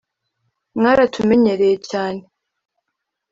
‘Mwaratumenyereye cyane